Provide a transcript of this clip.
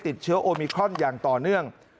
ติดเชื้อโอมิครอนอย่างต่อเนื่อง